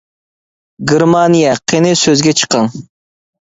گېرمانىيە ،قىنى سۆزگە چېقىڭ !